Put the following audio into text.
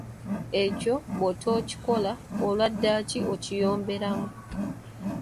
Ekyo bw'otokikola, olwa ddaaki okiyomberamu.